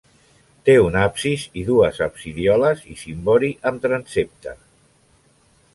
Té un absis i dues absidioles i cimbori amb transsepte.